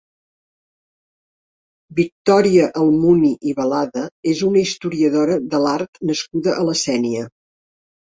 Victòria Almuni i Balada és una historiadora de l'art nascuda a la Sénia.